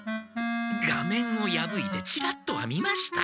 画面をやぶいてチラッとは見ました。